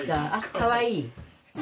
かわいい。